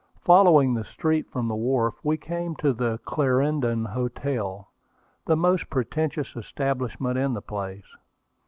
Following the street from the wharf, we came to the Clarendon Hotel, the most pretentious establishment in the place.